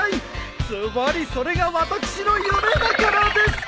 ズバリそれが私の夢だからです！